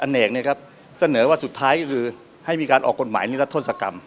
เหนือว่าสุดท้ายก็คือให้มีการออกกฎหมายในรัฐทดสกรรม